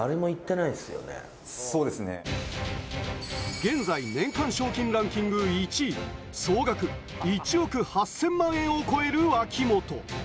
現在、年間賞金ランキング１位、総額１億８０００万円を超える脇本。